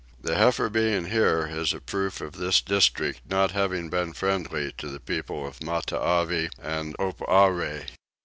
The heifer being here is a proof of this district not having been friendly to the people of Matavai and Oparre.